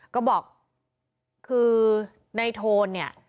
ก็บอกคือในโทนเนี่ย